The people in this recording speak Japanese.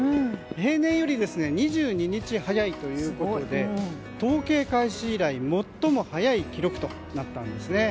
平年より２２日早いということで統計開始以来最も早い記録となったんですね。